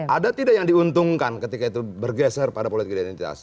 ada tidak yang diuntungkan ketika itu bergeser pada politik identitas